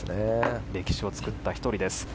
歴史を作った１人です。